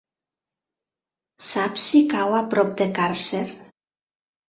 Saps si cau a prop de Càrcer?